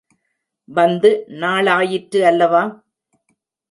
வந்து நாளாயிற்று அல்லவா?